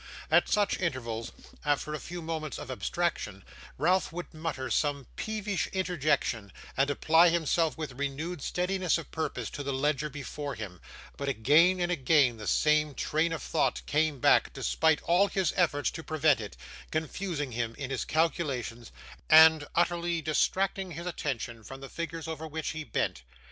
At such intervals, after a few moments of abstraction, Ralph would mutter some peevish interjection, and apply himself with renewed steadiness of purpose to the ledger before him, but again and again the same train of thought came back despite all his efforts to prevent it, confusing him in his calculations, and utterly distracting his attention from the figures over which he bent.